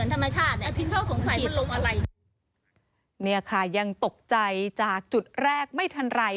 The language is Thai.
เนี่ยค่ะยังตกใจจากจุดแรกไม่ทันไร